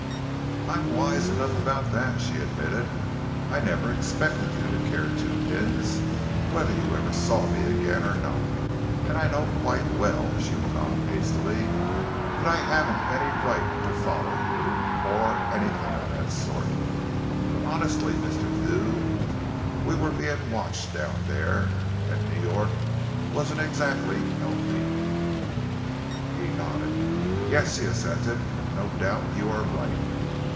"I'm wise enough about that," she admitted. "I never expected you to care two pins whether you ever saw me again or not, and I know quite well," she went on hastily, "that I haven't any right to follow you, or anything of that sort. But honestly, Mr. Thew, we were being watched down there, and New York wasn't exactly healthy." He nodded. "Yes," he assented, "no doubt you are right.